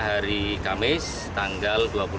hari kamis tanggal